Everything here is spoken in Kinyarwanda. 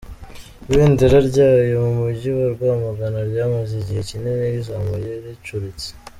Ibendera ryayo mu Mujyi wa Rwamagana ryamaze igihe kinini rizamuye ricuritse.